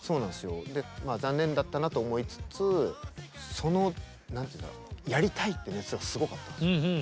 残念だったなと思いつつそのやりたいっていう熱がすごかったんですよ。